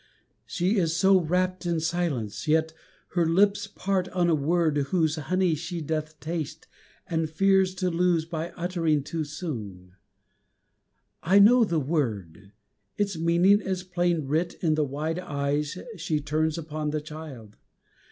She is so wrapt in silence. Yet her lips Part on a word whose honey she doth taste And fears to lose by uttering too soon. I know the word; its meaning is plain writ In the wide eyes she turns upon the Child.